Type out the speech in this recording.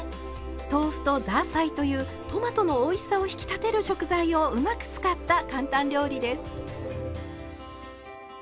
豆腐とザーサイというトマトのおいしさを引き立てる食材をうまく使った簡単料理です。